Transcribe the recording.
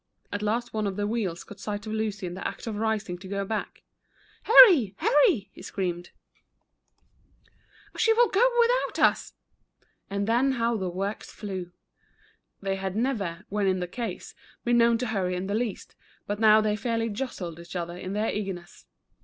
At last one of the wheels caught sight of Lucy in the act of rising to go back. " Hurry, hurry," he screamed, "or she will go ii6 The Runaway Watch. without us !" and then how the works flew ! They had never, when in the case, been known to hurry in the least, but now they fairly jostled each other in their eagerness.